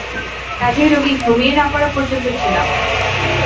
কাজেই রুগী ঘুমিয়ে না-পড়া পর্যন্ত ছিলাম।